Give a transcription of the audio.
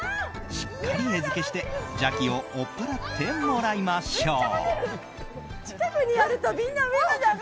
しっかり餌付けして邪気を追っ払ってもらいましょう。